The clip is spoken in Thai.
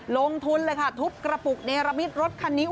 ลงทุนเลยค่ะทุบกระปุกเนรมิตรถคันนี้